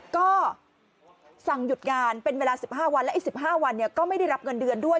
ก็สั่งหยุดงานเป็นเวลา๑๕วันและอีก๑๕วันก็ไม่ได้รับเงินเดือนด้วย